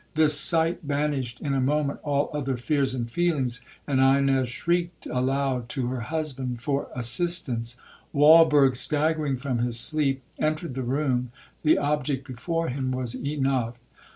This sight banished in a moment all other fears and feelings, and Ines shrieked aloud to her husband for assistance. Walberg, staggering from his sleep, entered the room,—the object before him was enough.